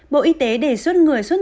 bộ y tế đề xuất người xuất dịch